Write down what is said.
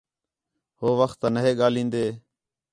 ہو وخت تا نہیں ڳاھلین٘دن